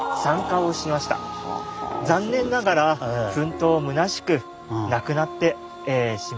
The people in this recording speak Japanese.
残念ながら奮闘むなしく亡くなってしまいましたが。